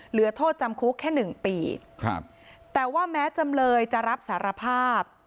เหลือโทษจำคุกแค่หนึ่งปีครับแต่ว่าแม้จำเลยจะรับสารภาพ